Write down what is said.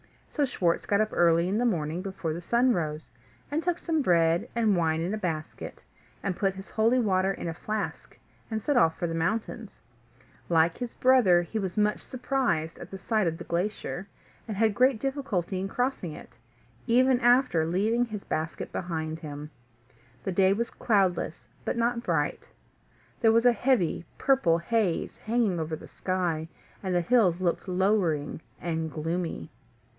So Schwartz got up early in the morning before the sun rose, and took some bread and wine in a basket, and put his holy water in a flask, and set off for the mountains. Like his brother, he was much surprised at the sight of the glacier, and had great difficulty in crossing it, even after leaving his basket behind him. The day was cloudless, but not bright: there was a heavy purple haze hanging over the sky, and the hills looked lowering and gloomy.